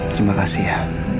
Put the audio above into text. terima kasih ya